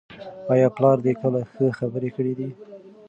آیا پلار دې کله ښه خبره کړې ده؟